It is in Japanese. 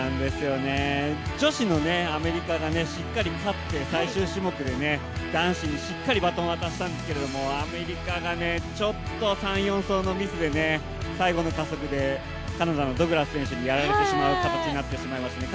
女子のアメリカがしっかり勝って最終種目で男子にしっかりバトン渡したんですけどアメリカがちょっと３４走のミスで最後の加速でカナダのド・グラス選手にやられてしまう形になりましたね。